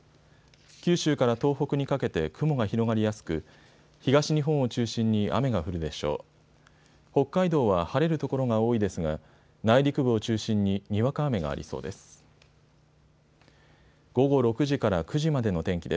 九州から東北にかけて雲が広がりやすく東日本を中心に雨が降るでしょう。